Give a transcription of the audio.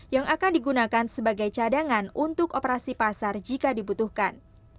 yang akan digunakan sebagai cadangan untuk operasi pasar jika dibutuhkan